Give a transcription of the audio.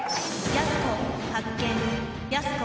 やす子発見。